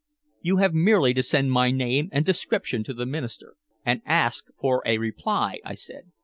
"You have merely to send my name and description to the Minister and ask for a reply," I said.